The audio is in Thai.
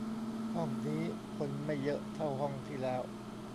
ห้องนี้คนไม่เยอะเท่าห้องที่แล้ว